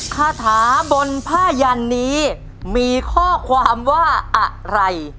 คาถาบนผ้ายันนี้มีข้อความว่าอะไร